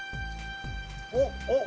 おっおっ！